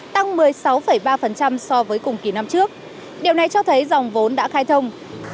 tăng một mươi sáu ba so với cùng kỳ năm trước điều này cho thấy dòng vốn đã khai thông